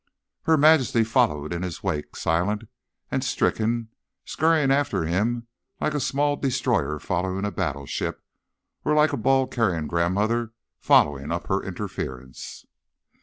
Her Majesty followed in his wake, silent and stricken, scurrying after him like a small destroyer following a battleship, or like a ball carrying grandmother following up her interference.